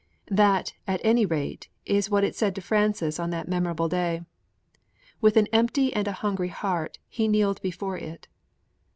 _"' That, at any rate, is what it said to Francis on that memorable day. With an empty and a hungry heart he kneeled before it.